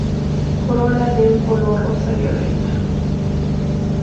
Corola de un color rosa violeta.